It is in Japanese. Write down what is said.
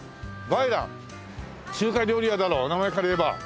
中華料理屋だろう名前からいえば。